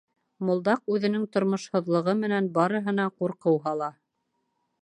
Мулдаҡ үҙенең тормошһоҙлоғо менән барыһына ҡурҡыу һала.